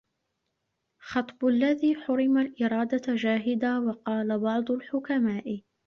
خَطْبُ الَّذِي حُرِمَ الْإِرَادَةَ جَاهِدَا وَقَالَ بَعْضُ الْحُكَمَاءِ